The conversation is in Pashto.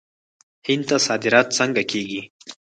هند ته صادرات څنګه کیږي؟